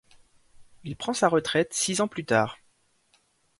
Il prend sa retraite six ans plus tard.